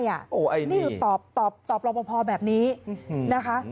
นี่คือตอบรับพอแบบนี้นะคะ